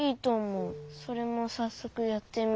それもさっそくやってみるうん。